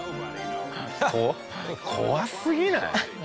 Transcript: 怖すぎない？